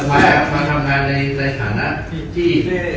มาทำงานในฐานะที่